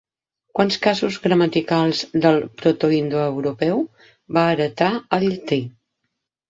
Quants casos gramaticals del protoindoeuropeu va heretar el llatí?